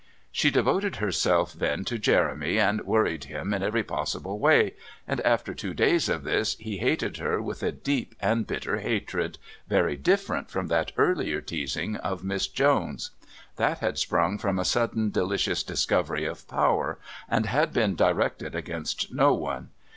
She devoted herself then to Jeremy and worried him in every possible way, and after two days of this he hated her with a deep and bitter hatred, very different from that earlier teasing of Miss Jones. That had sprung from a sudden delicious discovery of power, and had been directed against no one.